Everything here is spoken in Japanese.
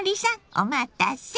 お待たせ！